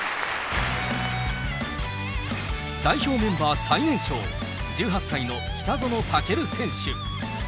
代表メンバー最年少、１８歳の北園丈琉選手。